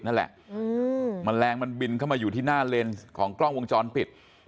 นั่นแหละแมลงมันบินเข้ามาอยู่ที่หน้าเลนส์ของกล้องวงจรปิด